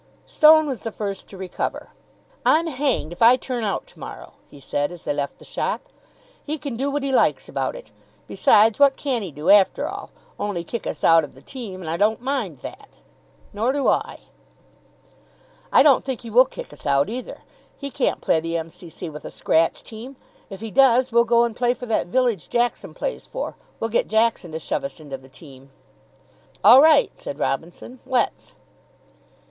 Stone was the first to recover. "I'm hanged if I turn out to morrow," he said, as they left the shop. "He can do what he likes about it. Besides, what can he do, after all? Only kick us out of the team. And I don't mind that." "Nor do I." "I don't think he will kick us out, either. He can't play the M.C.C. with a scratch team. If he does, we'll go and play for that village Jackson plays for. We'll get Jackson to shove us into the team." "All right," said Robinson. "Let's."